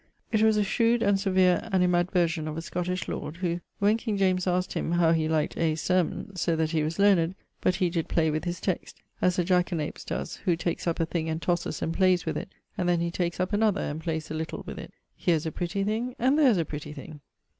It was a shrewd and severe animadversion of a Scotish lord, who, when king James asked him how he liked bp. A.'s sermon, sayd that he was learned, but he did play with his text, as a Jack an apes does, who takes up a thing and tosses and playes with it, and then he takes up another, and playes a little with it. Here's a pretty thing, and there's a pretty thing!